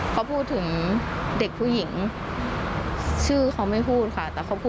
ความโหโชคดีมากที่วันนั้นไม่ถูกในไอซ์แล้วเธอเคยสัมผัสมาแล้วว่าค